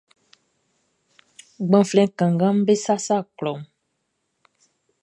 Gbanflɛn kannganʼm be sasa klɔʼn.